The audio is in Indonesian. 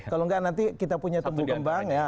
kalau enggak nanti kita punya tumbuh kembang ya